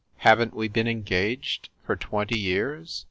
Haven t we been engaged for twenty years?"